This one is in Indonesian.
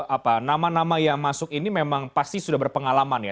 apa nama nama yang masuk ini memang pasti sudah berpengalaman ya